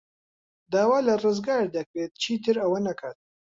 داوا لە ڕزگار دەکرێت چیتر ئەوە نەکات.